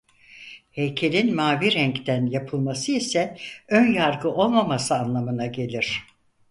Heykelin mavi renkten yapılması ise önyargı olmaması anlamına gelir.